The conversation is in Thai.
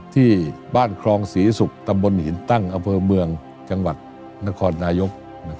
ที่บ้านครองศรีศุกร์ตำบลหินตั้งอำเภอเมืองจังหวัดนครนายก